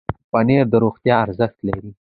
پنېر د روغتیا ارزښت لري.